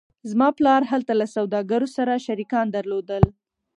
زما پلار هلته له سوداګرو سره شریکان درلودل